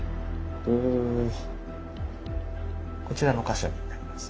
こちらの箇所になります。